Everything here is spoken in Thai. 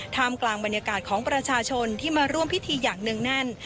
กลางบรรยากาศของประชาชนที่มาร่วมพิธีอย่างเนื่องแน่น